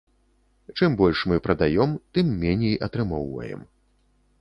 Чым больш мы прадаём, тым меней атрымоўваем.